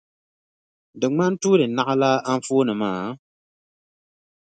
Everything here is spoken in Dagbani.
Di ŋmani tuuli naɣilaa anfooni maa?